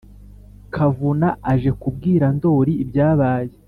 kavuna aje kubwira ndoli ibyabaye